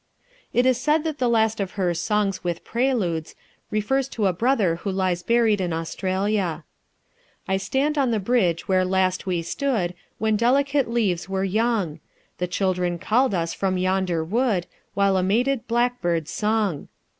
It is said that the last of her Songs with Preludes refers to a brother who lies buried in Australia: "I stand on the bridge where last we stood When delicate leaves were young; The children called us from yonder wood, While a mated blackbird sung.